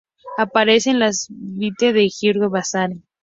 Aparece en las Vite de Giorgio Vasari.